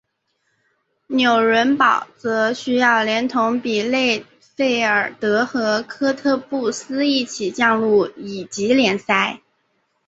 纽伦堡则需要连同比勒费尔德和科特布斯一起降入乙级联赛。